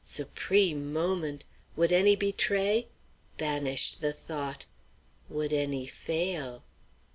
Supreme moment! Would any betray? Banish the thought! Would any fail?